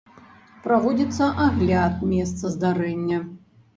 Праводзіцца агляд месца здарэння.